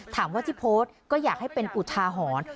ถามว่าที่โพสต์ก็อยากให้เป็นอุทาหรณ์